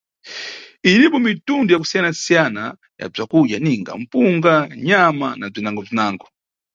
Iripo mitundu ya kusiyanasiyana ya bzakudya ninga mpunga, nyama na bzinangobzinago.